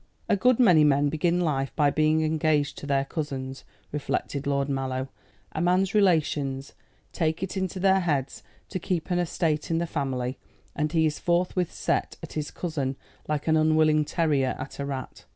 "A good many men begin life by being engaged to their cousins," reflected Lord Mallow. "A man's relations take it into their heads to keep an estate in the family, and he is forthwith set at his cousin like an unwilling terrier at a rat.